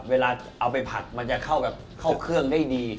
เวลาเอาไปผัดมันจะเข้ากับเข้าเครื่องได้ดี